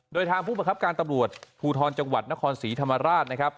โดยทางผู้ประคับการตำรวจภูทรจังหวัดนครศรีธรรมราชนะครับ